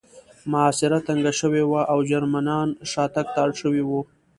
محاصره تنګه شوې وه او جرمنان شاتګ ته اړ شوي وو